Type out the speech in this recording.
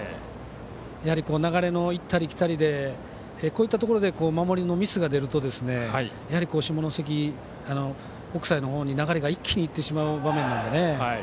やはり、流れの行ったり来たりでこういったところで守りのミスが出ると下関国際のほうに流れが一気にいってしまう場面なんでね。